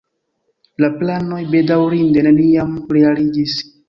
La planoj bedaŭrinde neniam realiĝis.